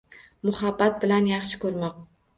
“Muhabbat” bilan “Yaxshi ko’rmoq”